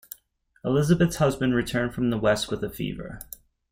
Elizabeth's husband returns from the west with a fever.